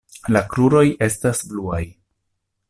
La kruroj estas bluaj.